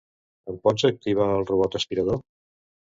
Em pots activar el robot aspirador?